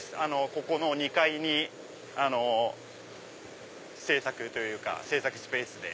ここの２階に制作というか制作スペースで。